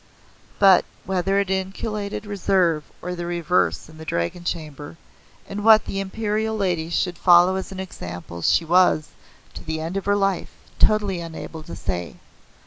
But whether it inculcated reserve or the reverse in the Dragon Chamber, and what the Imperial ladies should follow as an example she was, to the end of her life, totally unable to say.